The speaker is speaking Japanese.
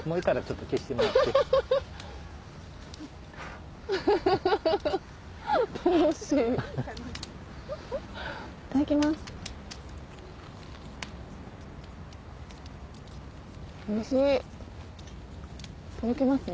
とろけますね。